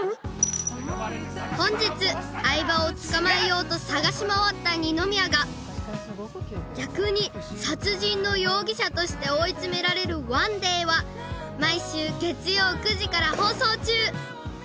［本日相葉を捕まえようと捜し回った二宮が逆に殺人の容疑者として追い詰められる『ＯＮＥＤＡＹ』は毎週月曜９時から放送中！］